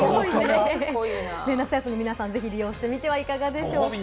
夏休み、皆さん、ぜひ利用してみてはいかがでしょうか。